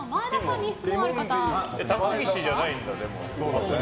高岸じゃないんだ。